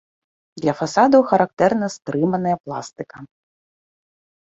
Для фасадаў характэрна стрыманая пластыка.